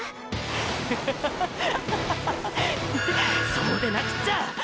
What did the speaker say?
そうでなくっちゃ！！